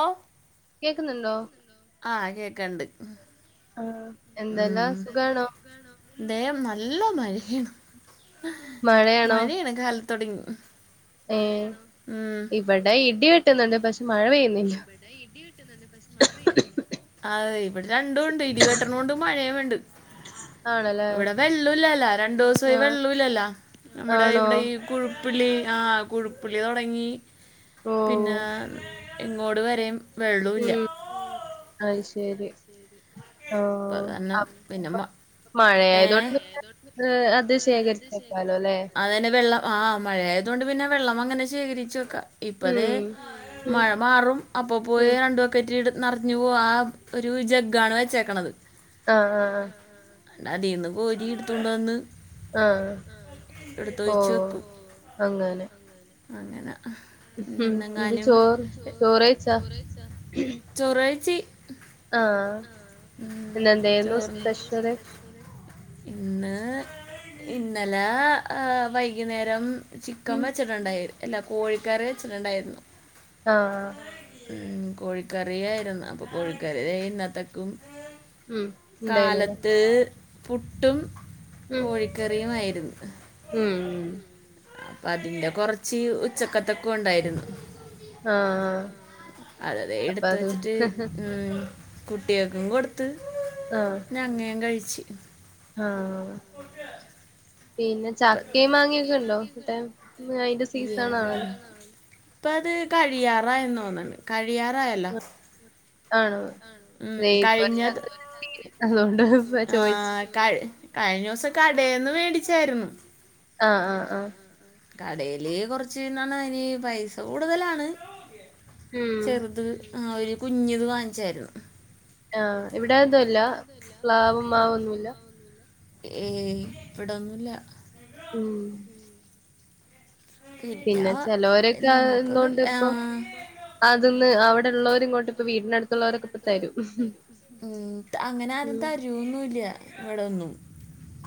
ഓ ആഹ കേക്കണ്ട് ഉ യം നല്ലമാരി മഴ അങ്ങ് കാലത്തു തുടങ്ങി ഏ ഇവിടെ ഇടി വെട്ടി ഇവിടെ ഇടി വട്ടുന്നു പക്ഷ മഴ പെയുന്ന ഇല്ല രണ്ടും ഉണ്ട് ഇടി വെട്ടണ കൊണ്ട് മഴയും വേണ്ട് ആ ഇവിടെ വെള്ള ഇല്ലല്ല രണ്ടു ദിവസമായി വെള്ളംല്ലല്ല നമ്മുടെ ഇവിടെ ഈ കുഴ പ്പുള്ളി ആ കൊഴുപ്പുള്ളി തുടങ്ങി പിന്നെ ഇങ്ങോട് വരെയും വെള്ളവല്ല ശരി അപ്പൊ തന്നെ പിന്നെ മ ഏ അതന്നെ വെള്ളം ആഹ മഴയതുകൊണ്ട് പിന്നെ വെള്ളം അങ്ങനെ ശേഖരിച്ച് വെക്കാം ഇപ്പ ദേ മഴ മാറും അപ്പ പോയി രണ്ടു ബക്കറ്റ് ഇട നിറഞ്ഞു വാം ആ ഒരു ജഗ്ഗാണ് വെച്ചേക്കണത് ആഹ ആഹ് അതിന്നും കോരി എടുത്തുണ്ടോന്ന് ആഹ ഓ അങ്ങനെ അങ്ങന പിന്നിന്നെങ്ങാനും ചൊറുകഴിച്ച് ആഹ എന്നെന്തായിരുന്നു സ്പെഷ്യല് ഇന്ന് ഇന്നലെ ആ വൈകുന്നേരം ചിക്കൻ വെച്ച അല്ല കോഴിക്കാറിവെച്ചിട്ടുണ്ടായിരുന്നു ആഹ് കോഴിക്കറിയായിരുന്ന് അപ്പോ കോഴിക്കറി ദേ ഇന്നത്തേക്കും കാലത്ത് പുട്ടും കോഴിക്കറിയും ആയിരുന്നു ഹം ഉ അപ്പൊ അതിന്റെ കൊറച്ച് ഉച്ചക്കത്തക്കും ഉണ്ടായിരുന്നു അതതെ എടുത്ത് വച്ചിട്ട് ഉം കുട്ടികക്കും കൊടുത്ത് ഞങ്ങേ കഴിച്ചു കൊടുക്ക് പിന്നെ ചക്കയും മാങ്ങിയൊക്കെ ഉണ്ടോ ഇട്ടേ അതിന്റെ സീസൺ ആണോ ഇപ്പ അത് കഴിയാറായന്ന് തോന്നണ്ട് കഴിയാറായല്ലോ കഴിഞ്ഞത് ആഹ കഴ്ഞ്ഞ കഴിഞ്ഞ ദിവസം കടെന്ന് മേടിച്ചായിരുന്നു ആഹ് ആഹ ആഹ കടെല് കൊറച്ച് കിണ്ണന്നതിന് അതിന് പൈസ കൂടുതലാണ് ചെറുത് ആ ഒരു കുഞ്ഞത് വാങ്ങിച്ചായിരുന്നു ആഹ് ഇവിടെതുംല്ല പ്ലാവും മാവുമൊന്നുമില്ല ഏ ഇവിടൊന്നുല്ല പിന്നെ ചിലരൊക്കെ ഇന്നൊണ്ട് ഇപ്പൊ അതോന്ന് അവിടെള്ളോര് ഇങ്ങോട്ട് വീടിനടുത്തുള്ളവരൊക്കെ ഇപ്പോ തരും ഉ അങ്ങനെ അരും തരൂന്നുല്ല ഇവിടൊന്നും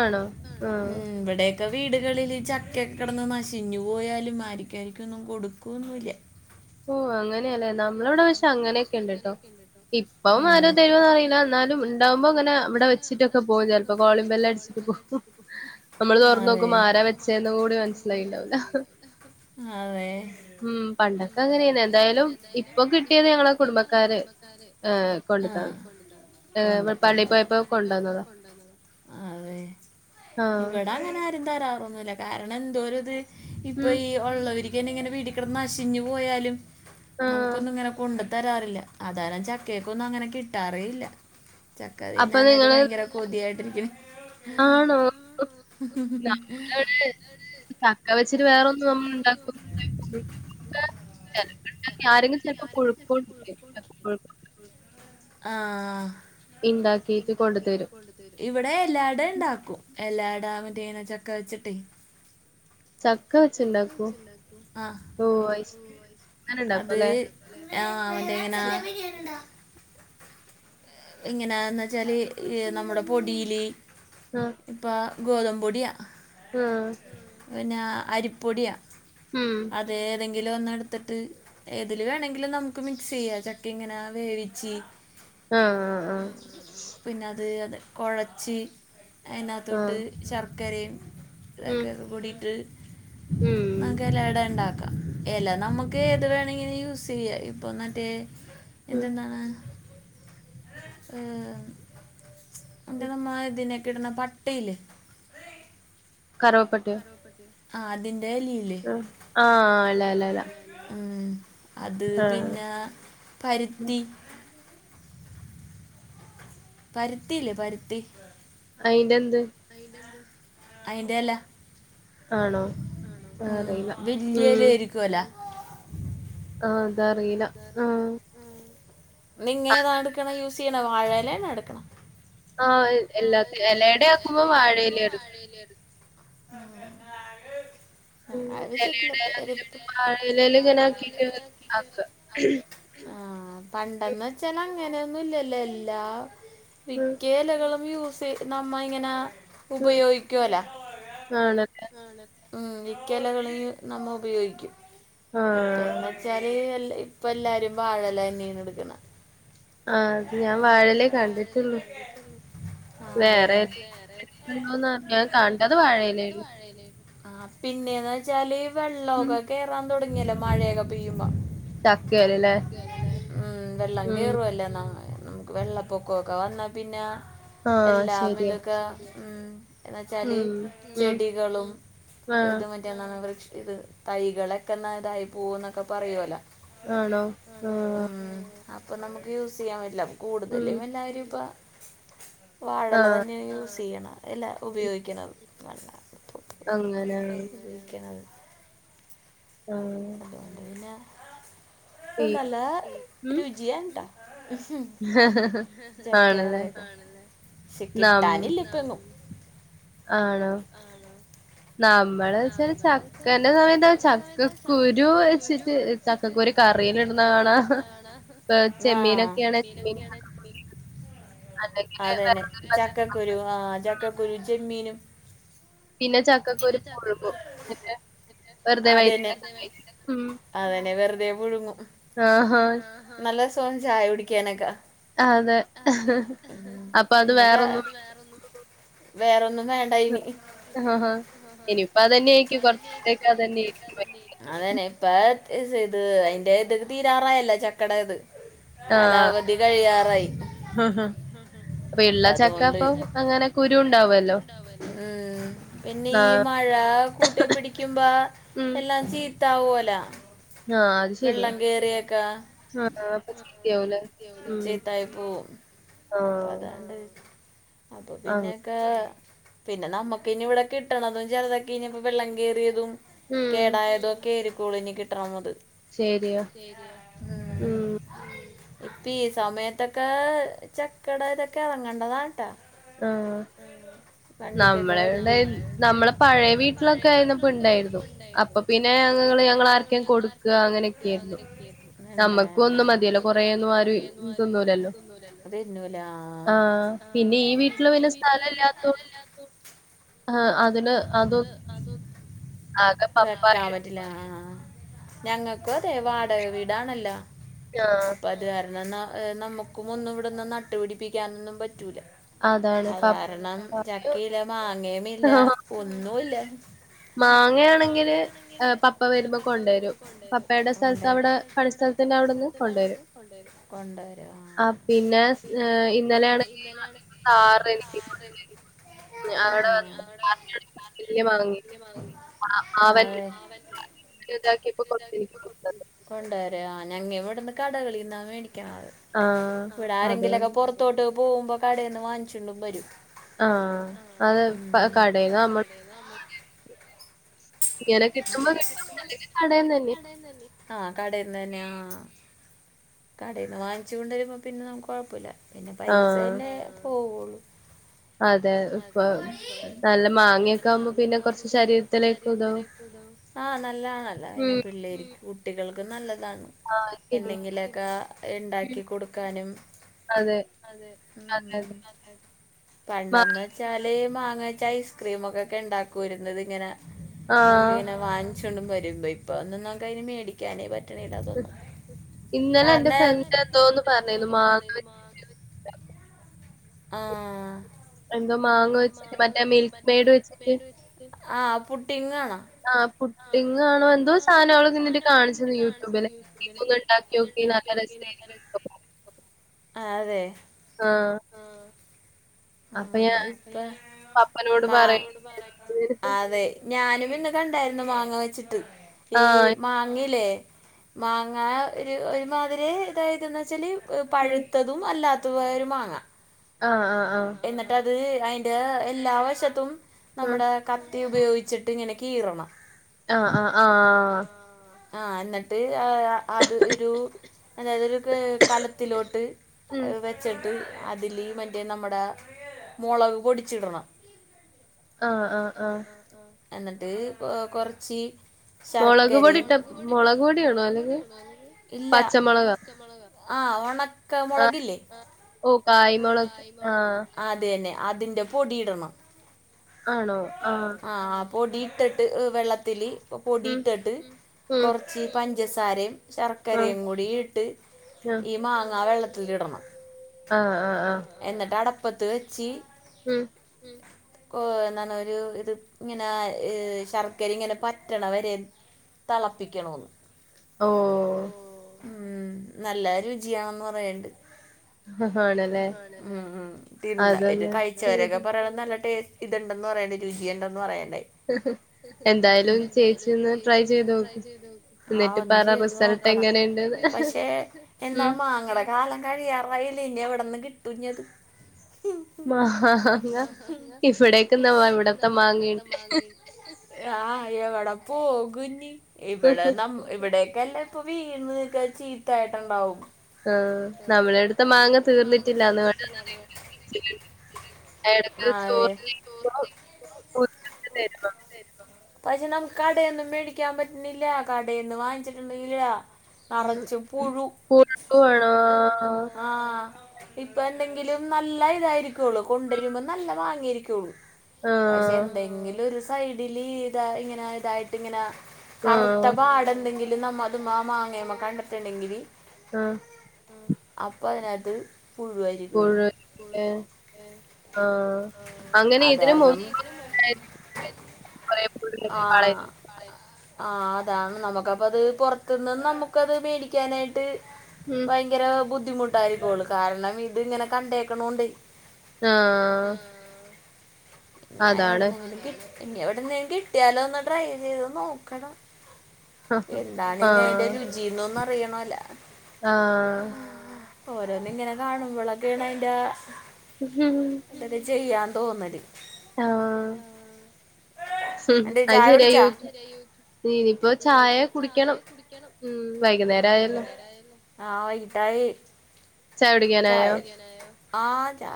ആണോ ആഹ ക്ക വീടുകളില് ചക്കക്കെ കിടന്ന് നശിഞ്ഞു പോയാലും ആരിക്കരിക്കൊന്നും കൊടുക്കോന്നും ഇല്യ ഓ അങ്ങനെയല്ലേ നമ്മളിവിടെ പഷെ അങ്ങനെയൊക്കെ ഉണ്ട്ട്ടോ ഇപ്പം ആരും തരുമോന്ന്റിയില്ല എന്നാലും ഉണ്ടാവുമ്പോ അങ്ങനെ അവിടെ വെച്ചിട്ടൊ ക്കെ പോവും ചിലപ്പോ കോളിമ്പല്ലടിച്ചിട്ട് പോകും നമ്മള് തുറന്നു നോക്കും ആരാ വെച്ചേന്ന് കൂടി മനസ്സിലായിണ്ടാവൂല അതെ അനെയന്നെയാ എന്തായാലും ഇപ്പൊ കിട്ടിയത് ഞങ്ങളെ കുടുംബക്കാര് കൊണ്ടത്തന്ന് ഏ പള്ളിപോയപ്പോ കൊണ്ടുവന്നതാ ഇവിടെ അങ്ങനെ ആരും തരാറൊന്നുല്ല കാരണം എന്തോ ഒര് ഇത് ഇപ്പൊ ഈ ഉള്ളവര് ഇങ്ങനിങ്ങനെ വീടികടന്ന് നശഞ്ഞു പോയാലും നമുക്കൊന്നും ഇങ്ങനെ കൊണ്ട് തരാറില്ല അതാരം ചക്കയൊക്കെ ഒന്നും അങ്ങനെ കിട്ടാറേയില്ല ചക്ക തിന്നനായിട്ട് ഭയങ്കര തിയായിട്ടിരിക്കണ് ആണോ [inaudible] ചക്ക വെച്ചിട്ട് വേറെന്നും നമ്മൾ ഉണ്ടാക്കുന്ന [unintelligible] ഉണ്ടാക്കി ആരെങ്കി ഇപ്പ കെഴിയോട് ഇല്ലെ കോഴികൊട് ആ [unintelligible] ഇവിടെ എല്ലാടെ ഉണ്ടാക്കും എല്ല അടാമേന്റെന ചക്ക വെച്ചിട്ട് ചക്ക വെച്ചുണ്ടാക്കൂ ഓ അയ്ശ് അങ്ങനെ ഇണ്ടാക്കും അല്ലെ ആ അതയെങ്ങനാ എങ്ങനെയാന്ന് വെച്ചാല് നമ്മുടെ പൊടില് ഇപ്പ ഗോതമ്പ് പൊടിയ ആ പിന്ന അരിപ്പൊടിയാ ഉം ഏതെങ്കിലും ഒന്ന് എടുത്തിട്ട് ഏതില് വേണമെങ്കിലും നമുക്ക് മിക്സ് ചെയ്യാം ചക്ക ഇങ്ങനെ വേവിച്ച് ഉം ഉം പിന്നെ അത് അതെ കുഴച്ച് അതിനകത്തോട്ട് ശർ ക്കരയും ഇതൊക്കെ കൂടിയിട്ട് നമുക്ക് നല്ല അട ഉണ്ടാ ക്കാം എല നമുക്ക് ഏത് വേണമെങ്കിലും യൂസ് ചെയ്യാം ഇപ്പൊ മറ്റേ എന്തെന്താണ് ആ അ [unintelligible] മദിന കിട്ടണ പട്ടയില്ലെ കറവപ്പട്ടെയോ ആ അതി അ ആ അല്ല അല്ല അല്ല ഉം അത് പിന്നെ പരുത്തി പരുത്തിയില്ലേ പരുത്തി അയിന്റെന്ത് അയിന്റെ ഇല ആ വല്യ ഇല ആയിരിക്കുവല്ല ആ അതറിയില്ല ആ നിങ്ങ ഏതാ എടുക്കണ യൂസ് ചെയ്യണ വാഴയിലന്നെ എടുക്കണ ആ എല്ലാ എലടെയാക്കുമ്പോ വാഴയില എടുക്ക ആ [unintelligible] [unintelligible] ആ പണ്ടെന്ന വെച്ചാല് അങ്ങനെ നിന്ലയില് എല്ലാം മിക്ക ഇലകളും യൂസ് നമ്മ ഇങ്ങനെ ഉപയോഗിക്കുവല്ലോ ഉം മിക്കയിലകളയും നമ്മൾ ഉപയോഗിക്കും ഇപ്പ എന്ത വെച്ചാല് എല് ഇപ്പ എല്ലാരും വഴയിലതന്നെയാണ് എടുക്കണ ആ അത് ഞാൻ വാഴലേ കണ്ടിട്ടുള്ളു വേറെ രീതില് ഞാൻ കണ്ടത് വാഴല്ലേല് ആ പിന്നെ എന്ന് വെച്ചാല് വെള്ളമൊക്കെ കെറാൻ തുടങ്ങിയല്ലോ മഴയൊക്കെ പെയ്യുമ്പോ ചക്കല് അ വെള്ളം കേറല്ലേ എന്ന ആ നമുക്ക് വെള്ളപ്പൊക്കമൊക്കെ വന്നാ പിന്നെ എല്ലാം ഇതൊക്കെ എന്ന വെച്ചാൽ ചെടികളും ഇതും മറ്റിയന്നാണ് വൃ ഇത് തൈകളൊക്കെ എന്നാ ഇതായി പോവും എന്നൊക്കെ പറയുമല്ലോ ആണോ ആ അപ്പൊ നമുക്ക് യൂസ് ചെയ്യാൻ പറ്റില്ല കൂടുതലും എല്ലാവരും ഇപ്പം വാഴല തന്നെ യൂസ് ചെയ്യണ അല്ല ഉപയോഗിക്കണുന്നത് നല്ല അങ്ങനെ അത അത് പിന്നെ അപ്പം നല്ല രുചി ഉണ്ടാ ചെറ്റയല കാണുന്ന ചിറ്റ് തലയില്ല ഇപ്പഴെന്നും [unintelligible] ആണോ നമ്മള് വെച്ചാൽ ചക്കന്റെ സമയത്ത ചക്കക്കുരു വെച്ചിട്ട് ചക്കക്കുരു കറി ക്കക്കുരു കറീല്ട്നാണ് ചെമ്മീനൊക്കെയാണ് അതന്നെ ചക്കക്കുരു ആഹ് ചക്കക്കുരും ചെമ്മീനും പിന്നെ ച പിന്നെ ചക്കക്കുരു [inaudible] അതന്നെ അതന്നെ വെർ തെ പുഴുങ്ങും. ആഹാ. പം ചായുടിക്കാനൊക്കെ ആതെ പിന്നെ ത് വേറൊന്നും വേറൊന്നും വേണ്ട ഇനി. ഇനീപ്പോ [inaudible] അതന്നെപ്പോ ഇജ്ത് അയ്ന്റെത് തീരാറായല്ലോ ചക്കടേത്. കാലാവധി കഴിയാറായി. പ്പൊ ഇള്ള ചക്കപ്പൊ അങ്ങനെ കുരുണ്ടാവല്ലോ? പിന്നെ ഈ മഴ കൂട്ടിപ്പിടിക്കുമ്പോ എല്ലാം ചീത്താവോലോ. വെള്ളം കേറിയേക്കാ ച്ചീത്തായിപോവു അപ്പൊതാണ്ട് പ്പൊ പിന്നക്ക പിന്നെ നമ്മക്ക്നിവടെ കിട്ടണതും ചെൽതൊക്കെ ഇനിയിപ്പ വെള്ളം കേറിയതും കേടായതൊക്കെരിക്കൂലിനി കിട്ടണന്നത്. ശരി [unintelligible] പ്പീ സമയത്തൊക്കെ ചക്കടതൊക്കെ ങ്ങണ്ടകാലത്ത ആഹ്. നമ്മളെടെ നമ്മളെ പഴയ വീട്ടിലൊക്കെ ആയിന്നപ്പണ്ടായ്രുന്നു അപ്പൊ പ് പിന്നെ ഞങ്ങങ്ങള് ഞങ്ങളാർക്കേം കൊടുക്ക അങ്ങനെക്കെയ്ര്ന്നു. ന്നെന്താ നമ്മക്കൊന്നു മതില്ലോ കുറേന്നും ആരും തിന്നുല്ലല്ലലോ തിന്നുല്ല പിന്നെ ഈ വീട്ടില് പിന്നെ സ്ഥലംല്ലാത്തൊണ്ട് ആഹ് അതിന് അതൊ ആകെ പപ്പായൊ ഞങ്ങക്കൊതെ വാടകവീടാണല്ലോ അപ്പൊത് കാരണംന്നാ അഹ് നമ്മെക്കും ഒന്നും ഇവടൊന്നും നട്ട് പിടിപ്പിക്കാനൊന്നും പറ്റ് റ്റൂലാ അയ് കാരണം ചക്കിം ഇല്ല മാങ്ങെയുമില്ല ഒന്നുല്ലാ. മാങ്ങയാണെങ്കിൽ ഏഹ് പപ്പ വെരുമ്പോ കൊണ്ടരും. ണ്ടെരും പപ്പയുടെ സ്ഥലത്ത് അവ്ടെ പണിസ്ഥലത്തിന്റെ അവ്ട്ന്ന് കൊണ്ടെരും കൊണ്ടെരും ആഹ് അതെ. യെസ് ഏഹ് ഇന്നെലെ ആണെങ്കി സാറ് എനിക്ക് കൊണ്ടെരും ഞാ അവെടെ വന്ന് പറഞ്ഞൊട്ത്ത അളവിൽ വാങ്ങി ആഹ് [unintelligible] [inaudible] ഇതാക്കിയെപ്പോ ഇതാക്കിയെപ്പോ [inaudible] കൊണ്ട് വെരും ആഹ് ഞങ്ങെൾ ഇവെട്ന്ന് കടകളിന്നാ മേടി ക്കാർ ഇവെടെ ആരെങ്കിലൊക്കെ പൊറത്തോട്ട് പോവുമ്പോ കടെന്ന് വാങ്ങിച്ചൊണ്ടും വെരും. ആഹ് അതെ പ്പ കടെന്ന്‌ നമ്മെൾ ഇങ്ങനെ കിട്ട് ട്ടുമ്പോ കിട്ടും അല്ലെങ്കി കടെന്ന് എന്നെ കടെന്ന് വാങ്ങിച്ചു കൊണ്ടെരുമ്പോ പിന്നെ നമ്മുക്ക് കൊഴപ്പയില്ല പിന്നെ പൈസ പിന്നെ പോവും അതെ കോ നല്ല മാങ്ങെ ഒക്കെ ആവുമ്പോ പിന്നെ കൊർച്ച് ശരീരത്തിലേക്ക് ഇതാവും ആഹ് നല്ലെയ് ആണല്ലോ പിന്നെ പിള്ളേര്ക്കും കുട്ടികൾക്കും നല്ലതാണ് എന്തെങ്കിലൊ താ ഇണ്ടാക്കി കൊട്ക്കാനും. അതെ ഉം അതെ പണ്ടെന്ന് വെച്ചാൽ ഈ മാങ്ങ വെച്ച് ഐസ്ക്രീമൊക്കെ ഇണ്ടാക്കുവായ്ര്ന്നു ഇത് ഇങ്ങെനെ നമ്മുക്ക് ഇങ്ങെനെ വാങ്ങിച്ചു [unintelligible] വരുമ്പോ ഇപ്പൊന്നൊന്നും മേടിക്കാനേ പറ്റ്ണില്ലതൊന്നും. കാരണം എന്റെ ഫ്രണ്ടന്റെ എന്തോന്ന് പറഞ്ഞത് മാ..... ആ..... എന്തോ മാങ്ങ വെച്ചിട്ട് മറ്റേ മിൽക്ക് മെയഡ് വെച്ചിട്ട്..... ആഹ് പുട്ടിങ്ങ....... ആഹ പുട്ടിങ്ങാണോ എന്തോ സാധനങ്ങളോന്നിട്ട് കാണിച്ചത് യൂട്യൂബില് ഇതൊന്ന [unintelligible] നന്ന രസായിരിക്കും.... ആ അതെ...... ആ...... ആ [unintelligible] മാ അതെ... ഞാനും ഇന്ന് കണ്ടായിരുന്നു മാങ്ങ വെച്ചിട്ട് ഈ മാങ്ങല്ലേ..... മാങ്ങ ഒരു ഒരുമാതിരി ഇതായത്ന്ന് വെച്ചാല് പഴുത്തതും അല്ലാത്ത..... [unintelligible] ആആ ആ..... അതിന്റെ എല്ലാ വശത്തും നമ്മുടെ കത്തി ഉപയോഗിച്ചിട്ട് ഇങ്ങനെ കീറണം ആആആ...... ആഹ എന്നിട്ട്..... അത് ഒരു അതായത് ഒരു കലത്തിലോട്ട് വെച്ചിട്ട്..., അതില് മറ്റേ നമ്മടെ [unintelligible] ആആആ....... എന്നിട്ട് കൊറച്ച്.... ശർക്കര മുളക് പൊടിട്ട മുളക് പൊടണ ഇല്ല പച്ചമുളക് ആഹ് ഉണക്ക മുളകില്ലേ...... കായ്മോളൊക്കെ ആ.... അതിന്റെ പൊടിയിടണം....... ആണോ ആ..... പൊടിയിട്ടിട്ട് വെള്ളത്തിൽ പൊടിയിട്ടിട്ട് കുറച്ച് പഞ്ചസാരയും....... ശർക്കരയും കൂടി ഇട്ട് ഈ മാങ്ങ വെള്ളത്തി ഇടണം.... ആഹ് ആആ.... [unintelligible] ഉം...... ന്താണ് ഒരു ഇത് ഇങ്ങനെ ശർക്കരി ഇങ്ങനെ പറ്റണ വരെ...... തിളപ്പിക്കണമന്ന്....... ഓ... ഉം നല്ലരു രുചിയണന്ന് പറയണ്ട്...... ഉ തിന്ന ഒരു കഴിച്ചവരൊക്കെ പറയാന നല്ല ടേ..... ഇതുണ്ടെന്ന് പറയ രുചിയുണ്ടന്ന് പറയാാണ്....... ഹ ഹ..... എന്തായാലും ചേയിച്ചന്ന് ട്രൈ ചെയ്ത് നോക്കും എന്നിട്ട് പറ റിസൾട്ട് എങ്ങനെയുണ്ട്....... പക്ഷെ എന്താ മാങ്ങട കാ...... കഴിയാറായില്ല ഇനി എവിടന്ന് കിട്ടുഞ്ഞത്...... മാങ്ങ ഇവിടക്കന്നാ ഇവിടത്തെ മാങ്ങട്ട..... ആഹ് എവിടെ പോകനി ഇവിടെ ന ഇവിടെ...... എല്ലാം ഇപ്പ വീഴന്ന്ക്ക ചീത്തായിട്ടുണ്ടാവും..... ആഹ നമ്മളടു [unintelligible] നമ്മുടെ അടുത്ത മാങ്ങ [unintelligible] അടത്തിൽ ചോറ് [unintelligible] പക്ഷെ നമുക്ക് അടയൊന്നും മേടിക്കാൻ പറ്റുന്നില്ല കടയൊന്നും വാങ്ങിച്ചിട്ടന്നും ഇല്ല.... [unintelligible] ആ ഇപ്പ എന്തെങ്കിലും നല്ല ഇതായിരിക്കുള്ളൂ കൊണ്ടുവരു്പോ നല്ല വാങ്ങിയിരിക്കു....... പക്ഷെ എന്തെങ്കിലും ഒരു സൈഡില് ഇതാ ഇങ്ങനെ ഇതായിട്ട് ഇങ്ങനെ..... കറുത്ത പാടെന്തെങ്കിലും നമ്മ അതും മാങ്ങേമ്മ കണ്ടിട്ടുണ്ടെങ്കില്- ആഹ് അപ്പം അതിനാത്ത് പുഴുവരികയുള്ളൂ ആഹ് അങ്ങനെ ഇതിന് മുമ്പ് [inaudible] ആഹ് ആ അതാണ് നമുക്കപ്പ അത് പൊറത്തുനിന്ന് നമുക്കത് വേടിക്കാനായിട്ട് ഭയങ്കര ബുദ്ധിമുട്ടായിരിക്കോള്ളൂ കാരണം ഇത് ഇങ്ങനെ കണ്ടേക്കണോണ്ടേ ആഹ് ഞാൻ എവിടെന്നെങ്കിലും ഇനി എവിടെന്നേ കിട്ടിയാലോന്ന് ഡ്രൈ ചെയ്ത് നോക്കണം എന്താണ് അതിന്റെ രുചീന്നൊന്നറിയണോല്ല ഓരോന്ന് ഇങ്ങനെ കാണുമ്പൊളൊക്കെയാണ് അയിന്റി എന്തേലും ചെയ്യാന്ന് തോന്നല് ആഹ് അയ്ശെരിയാ യൂടൂ നിനിയിപ്പോ ചായ കുടിക്കണം ഉം വൈകുന്നേരം ആയല്ലോ ആഹ് ഇട്ടായീ ചായ ആ ചാ